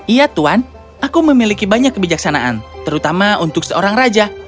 iya tuan aku memiliki banyak kebijaksanaan terutama untuk seorang raja